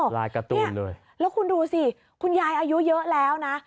ลายการ์ตูนเลยแล้วคุณดูสิคุณยายอายุเยอะแล้วนะ